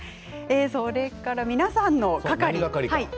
それから皆さんの係。